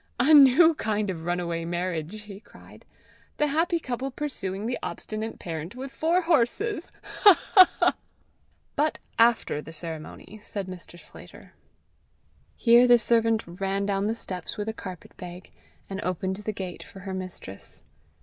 "A new kind of runaway marriage!" he cried. "The happy couple pursuing the obstinate parent with four horses! Ha! ha! ha!" "But after the ceremony!" said Mr. Sclater. Here the servant ran down the steps with a carpet bag, and opened the gate for her mistress.